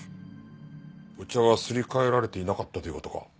お茶はすり替えられていなかったという事か？